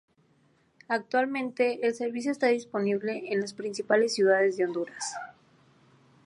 Actualmente el servicio está disponible en las principales ciudades de Honduras.